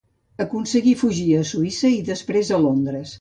Aconseguí fugir a Suïssa i després a Londres.